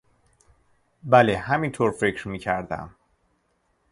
بله، همین طور فکر میکردم.